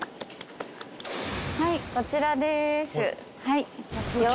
はいこちらです！